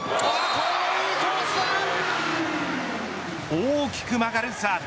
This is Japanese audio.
大きく曲がるサーブ。